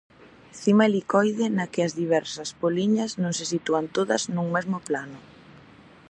Cima helicoide na que as diversas poliñas non se sitúan todas nun mesmo plano.